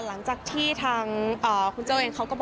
หลังจากใช่ค่ะ